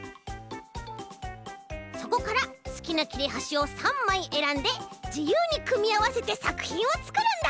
そこからすきなきれはしを３まいえらんでじゆうにくみあわせてさくひんをつくるんだ！